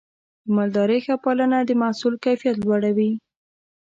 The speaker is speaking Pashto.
د مالدارۍ ښه پالنه د محصول کیفیت لوړوي.